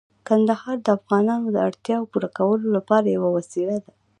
کندهار د افغانانو د اړتیاوو پوره کولو لپاره یوه وسیله ده.